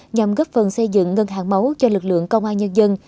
nhằm góp phần xây dựng ngân hàng máu cho lực lượng công an nhân dân